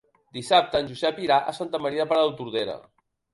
Dissabte en Josep irà a Santa Maria de Palautordera.